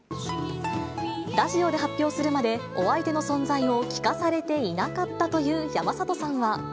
ラジオで発表するまで、お相手の存在を聞かされていなかったという山里さんは。